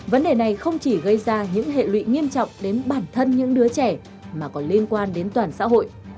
vấn đề này không chỉ gây ra những hệ lụy nghiêm trọng đến bản thân những đứa trẻ mà còn liên quan đến toàn xã hội